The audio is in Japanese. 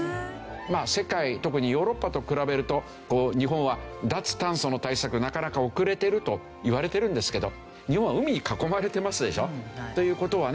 世界特にヨーロッパと比べると日本は脱炭素の対策なかなか遅れているといわれてるんですけど日本は海に囲まれてますでしょ？という事はね